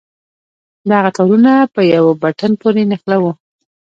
دغه تارونه په يوه بټن پورې نښلوو.